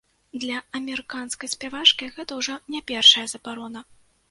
Для амерыканскай спявачкі гэта ўжо не першая забарона.